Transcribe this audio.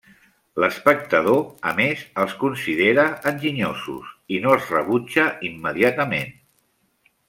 L'espectador, a més, els considera enginyosos i no els rebutja immediatament.